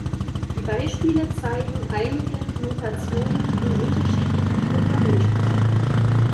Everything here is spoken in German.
Die Beispiele zeigen einige Notationen in unterschiedlichen Programmiersprachen.